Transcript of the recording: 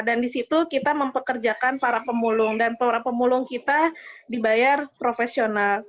dan di situ kita mempekerjakan para pembulung dan para pembulung kita dibayar profesional